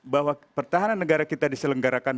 bahwa pertahanan negara kita diselenggarakan